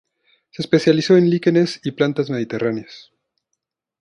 Se especializó en líquenes y plantas mediterráneas.